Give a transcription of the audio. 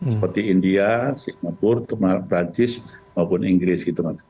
seperti india singapura prancis maupun inggris